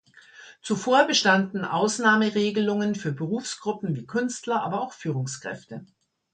Zuvor bestanden Ausnahmeregelungen für Berufsgruppen wie Künstler, aber auch Führungskräfte.